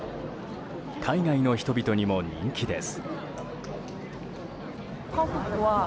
海外の人々にも人気です。